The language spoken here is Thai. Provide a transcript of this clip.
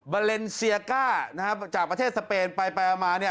บาเลนเซียก้าจากประเทศสเปนส๖๕๐วินาทีไปออกมา